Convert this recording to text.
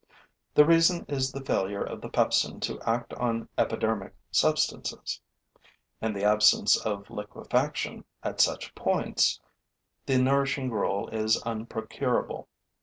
The reason is the failure of the pepsin to act on epidermic substances. In the absence of liquefaction at such points, the nourishing gruel is unprocurable.